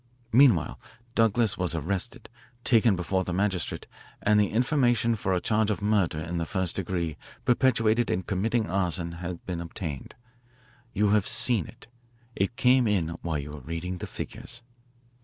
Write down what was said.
Meanwhile. Douglas was arrested, taken before the magistrate, and the information for a charge of murder in the first degree perpetrated in committing arson has been obtained. You have seen it. It came in while you were reading the figures."